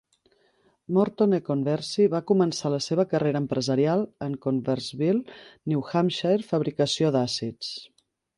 Morton E. Conversi va començar la seva carrera empresarial en Converseville, New Hampshire, fabricació d'àcids.